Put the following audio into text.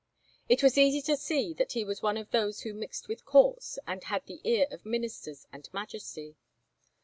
It was easy to see that he was one of those who mixed with courts, and had the ear of ministers and majesty.